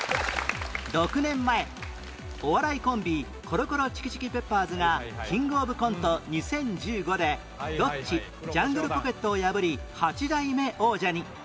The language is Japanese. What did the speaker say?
６年前お笑いコンビコロコロチキチキペッパーズがキングオブコント２０１５でロッチジャングルポケットを破り８代目王者に